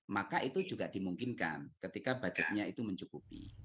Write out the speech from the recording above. maka itu juga dimungkinkan ketika budgetnya itu mencukupi